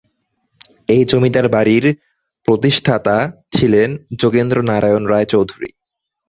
এই জমিদার বাড়ির প্রতিষ্ঠাতা ছিলেন যোগেন্দ্র নারায়ণ রায় চৌধুরী।